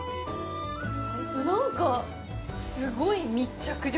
なんか、すごい密着力！